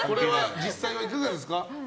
実際はいかがですか？